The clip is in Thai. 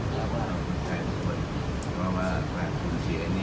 เพราะว่าท่านเป็นตัวอย่างในเรื่อง